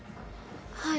はい。